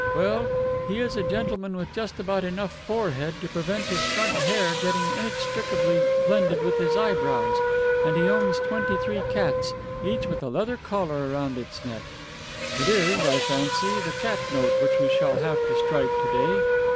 Well, he is a gentleman with just about enough forehead to prevent his front hair getting inextricably blended with his eyebrows, and he owns twenty three cats, each with a leather collar round its neck. It is, I fancy, the cat note which we shall have to strike to day.